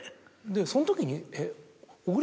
そのときに。